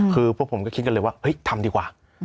คือพวกผมก็คิดกันเลยว่าเฮ้ยทำดีกว่า